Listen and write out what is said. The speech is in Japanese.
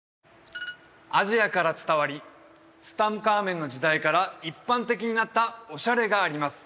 アジアから伝わりツタンカーメンの時代から一般的になったオシャレがあります